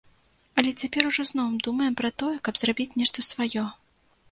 Але цяпер ужо зноў думаем пра тое, каб зрабіць нешта сваё.